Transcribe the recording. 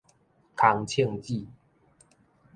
空銃子